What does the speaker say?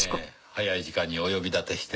早い時間にお呼び立てして。